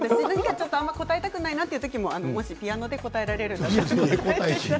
ちょっと答えたくないなという時もピアノで答えられるなら。